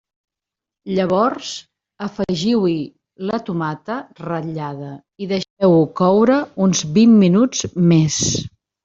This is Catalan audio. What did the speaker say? Llavors afegiu-hi la tomata ratllada i deixeu-ho coure uns vint minuts més.